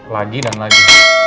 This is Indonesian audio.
lagi dan lagi